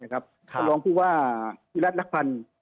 ก็ลองพูดว่ามิสระนักพันธุ์